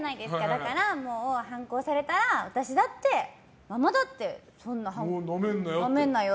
だから、反抗されたら私だってママだってなめんなよ！